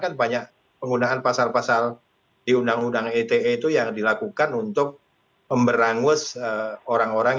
kan banyak penggunaan pasal pasal di undang undang ite itu yang dilakukan untuk memberangus orang orang